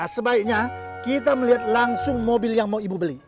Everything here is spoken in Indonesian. sebaiknya kita melihat langsung mobil yang mau ibu beli